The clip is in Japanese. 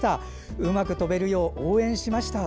うまく飛べるよう応援しました。